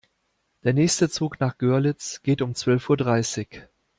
Der nächste Zug nach Görlitz geht um zwölf Uhr dreißig